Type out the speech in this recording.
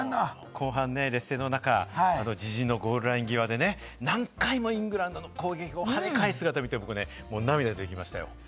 後半、劣勢の中、自陣のゴールライン際で何回もイングランドの攻撃を跳ね返す姿を見て、涙が出てきましたよ。